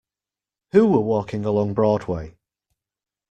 Who were walking along Broadway.